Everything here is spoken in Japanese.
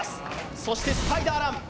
そしてスパイダーラン。